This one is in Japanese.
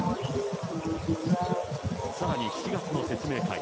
さらに７月の説明会。